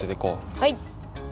はい！